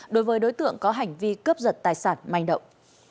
đối với đối tượng có hành vi cướp giật tài sản manh động